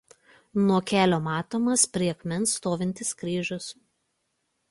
Nuo kelio matomas prie akmens stovintis kryžius.